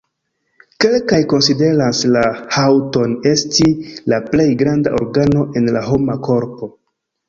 Kelkaj konsideras la haŭton esti la plej granda organo en la homa korpo.